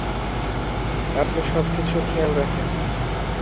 আপনি সবকিছুর খেয়াল রাখেন।